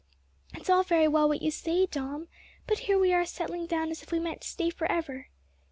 "It's all very well what you say, Dom, but here we are settling down as if we meant to stay for ever.